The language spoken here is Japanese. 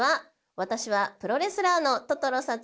私はプロレスラーのトトロさつきです。